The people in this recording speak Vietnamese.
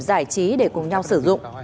giải trí để cùng nhau sử dụng